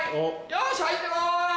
よし入って来い。